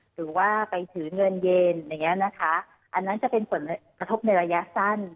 หรือว่าไปถือเงินเย็นอันนั้นจะเป็นผลกระทบในระยะสั้น